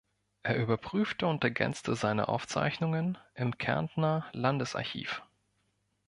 Er überprüfte und ergänzte seine Aufzeichnungen im Kärntner Landesarchiv.